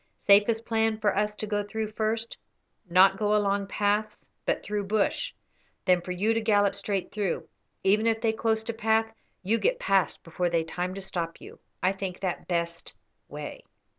Safest plan for us to go through first, not go along paths, but through bush; then for you to gallop straight through; even if they close to path, you get past before they time to stop you. I think that best way."